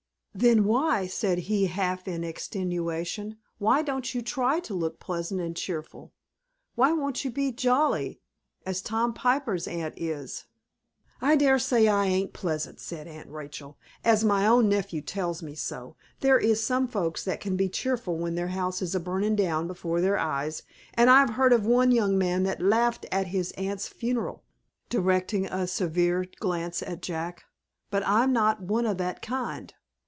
"Then why," said he, half in extenuation, "why don't you try to look pleasant and cheerful? Why won't you be jolly, as Tom Piper's aunt is?" "I dare say I ain't pleasant," said Aunt Rachel, "as my own nephew tells me so. There is some folks that can be cheerful when their house is a burnin' down before their eyes, and I've heard of one young man that laughed at his aunt's funeral," directing a severe glance at Jack; "but I'm not one of that kind.